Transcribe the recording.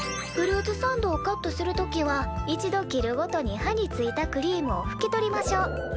フルーツサンドをカットする時は一度切るごとに刃についたクリームをふき取りましょう。